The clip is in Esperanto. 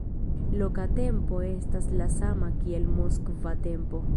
Loka tempo estas la sama kiel moskva tempo.